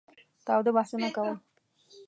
تاوده بحثونه کول.